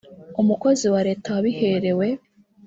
umukozi wa leta wabiherewe